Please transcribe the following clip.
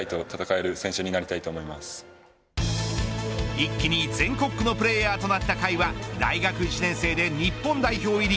一気に全国区のプレーヤーとなった甲斐は大学１年生で日本代表入り。